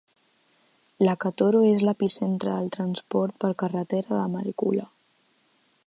Lakatoro és l'epicentre del transport per carretera de Malekula.